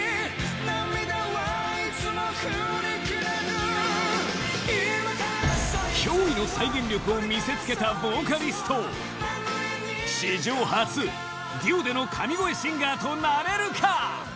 涙はいつも振り切れる驚異の再現力を見せつけたボーカリスト史上初デュオでの神声シンガーとなれるか？